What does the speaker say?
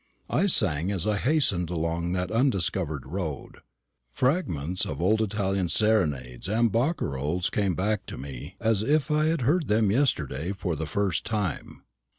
I sang as I hastened along that undiscovered road. Fragments of old Italian serenades and barcarolles came back to me as if I had heard them yesterday for the first time.